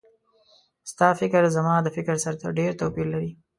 ستا فکر زما د فکر سره ډېر توپیر لري